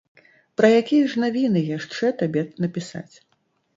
Пра якія ж навіны яшчэ табе напісаць?